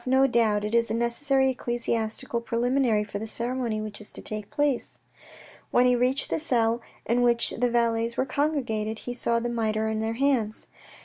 " No doubt it is a necessary ecclesiastical preliminary for the ceremony which is to take place." When he reached the cell in which the valets were congregated, he saw the mitre in their hands.